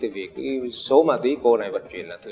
vì số ma túy cô này vận chuyển là rất là lớn